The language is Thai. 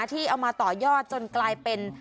ที่เอามาต่อยอดจนกลายเป็น